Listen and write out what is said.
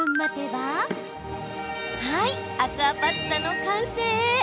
はい、アクアパッツァの完成。